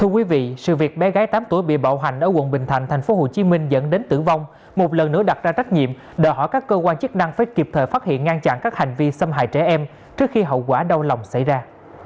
thưa quý vị sự việc bé gái tám tuổi bị bạo hành ở quận bình thạnh tp hcm dẫn đến tử vong một lần nữa đặt ra trách nhiệm đòi hỏi các cơ quan chức năng phải kịp thời phát hiện ngăn chặn các hành vi xâm hại trẻ em trước khi hậu quả đau lòng xảy ra